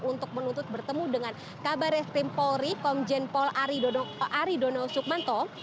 untuk menuntut bertemu dengan kabar restrim pori komjen pol aridono soekmanto